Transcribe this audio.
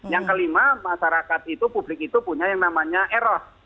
yang kelima masyarakat itu publik itu punya yang namanya eros